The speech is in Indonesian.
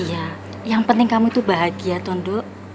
ya yang penting kamu bahagia tondo